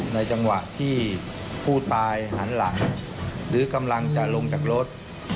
ในจังหวะที่ผู้ตายหันหลังหรือกำลังจะลงจากรถ